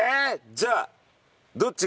じゃあどっちが。